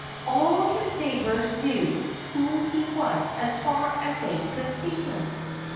All his neighbors knew who he was as far as they could see him.